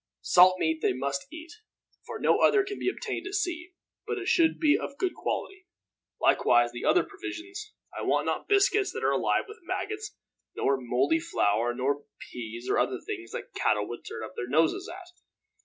Salt meat they must eat, for no other can be obtained at sea; but it should be of good quality, likewise the other provisions. I want not biscuits that are alive with maggots, nor moldy flour, nor peas or other things that cattle would turn up their noses at.